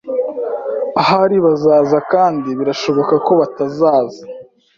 Ahari bazaza kandi birashoboka ko batazaza.